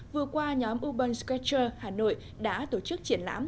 vừa qua nhóm urban scratcher hà nội đã tổ chức triển lãm